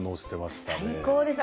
最高ですね